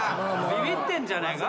ビビってんじゃねえか？